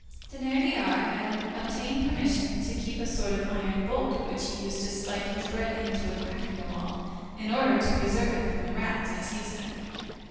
Thénardier had obtained permission to keep a sort of iron bolt which he used to spike his bread into a crack in the wall, "in order to preserve it from the rats," as he said.